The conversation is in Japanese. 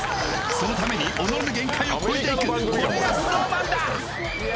そのために己の限界を超えていくこれがＳｎｏｗＭａｎだ！